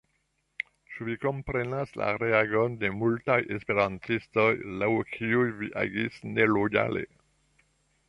Ĉu vi komprenas la reagon de multaj esperantistoj, laŭ kiuj vi agis nelojale?